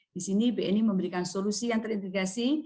di sini bni memberikan solusi yang terintegrasi